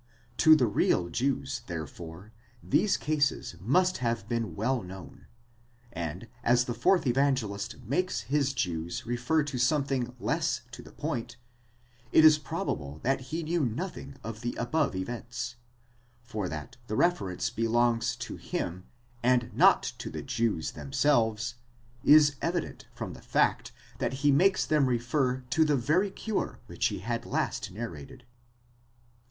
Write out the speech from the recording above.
To the real Jews therefore these cases must have been well known; and asthe fourth Evange list makes his Jews refer to something less to the point, it is probable that he knew nothing of the above events: for that the reference belongs to him, and not to the Jews themselves, is evident from the fact, that he makes them refer to the very cure which he had last narrated.